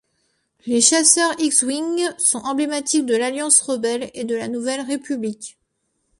Les chasseurs X-wing sont emblématiques de l'Alliance rebelle et de la Nouvelle République.